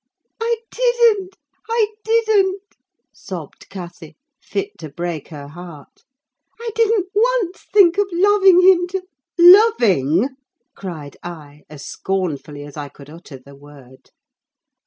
"I didn't! I didn't!" sobbed Cathy, fit to break her heart. "I didn't once think of loving him till—" "Loving!" cried I, as scornfully as I could utter the word.